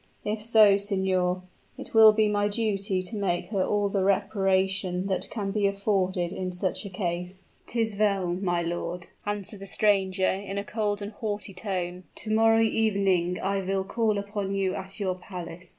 If so, signor, it will be my duty to make her all the reparation that can be afforded in such a case." "'Tis well, my lord," answered the stranger, in a cold and haughty tone. "To morrow evening I will call upon you at your palace."